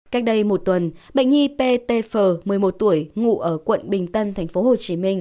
cách đây một tuần bệnh nhi ptf một mươi một tuổi ngủ ở quận bình tân tp hcm